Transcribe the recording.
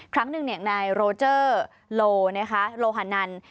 ครั้งหนึ่งนายโรเจอร์โลฮานัน